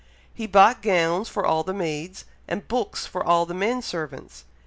He bought gowns for all the maids, and books for all the men servants.